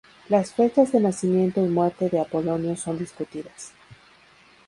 Las fechas de nacimiento y muerte de Apolonio son discutidas.